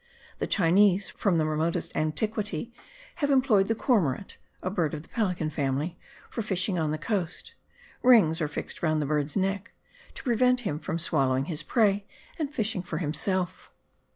The Chinese, from the remotest antiquity, have employed the cormorant, a bird of the pelican family, for fishing on the coast: rings are fixed round the bird's neck to prevent him from swallowing his prey and fishing for himself.